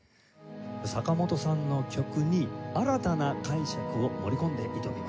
坂本さんの曲に新たな解釈を盛り込んで挑みます。